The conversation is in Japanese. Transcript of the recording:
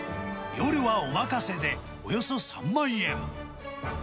夜はお任せでおよそ３万円。